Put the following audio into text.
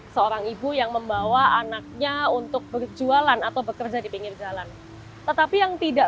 seorang ibu yang membawa anaknya untuk berjualan atau bekerja di pinggir jalan tetapi yang tidak